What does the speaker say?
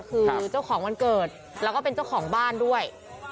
คือเจ้าของวันเกิดแล้วก็เป็นเจ้าของบ้านด้วย